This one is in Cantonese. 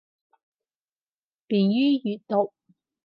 便于阅读